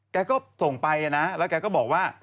แกก็ส่งไปนะแล้วแกก็บอกว่า